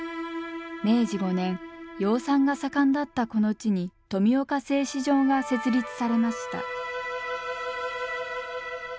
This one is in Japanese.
明治５年養蚕が盛んだったこの地に富岡製糸場が設立されました。